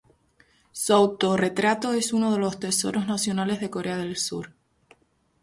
Su autorretrato es uno de los Tesoros Nacionales de Corea del Sur.